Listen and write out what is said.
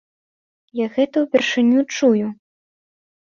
Я гэта ўпершыню чую.